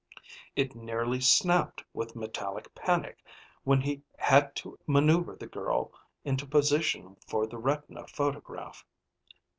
It nearly snapped with metallic panic when he had to maneuver the girl into position for the retina photograph.